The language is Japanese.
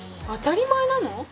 当たり前なの？